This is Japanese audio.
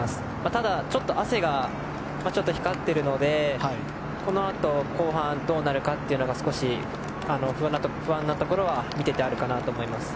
ただ、ちょっと汗が光っているのでこのあと後半どうなるかが少し不安なところは見ててあるかなと思います。